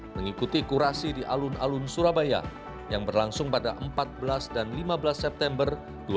mengikuti kurasi di alun alun surabaya yang berlangsung pada empat belas dan lima belas september dua ribu dua puluh